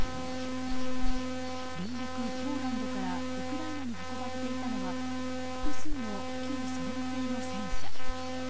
隣国ポーランドからウクライナに運ばれていたのは複数の旧ソ連製の戦車。